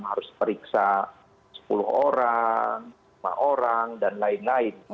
harus periksa sepuluh orang lima orang dan lain lain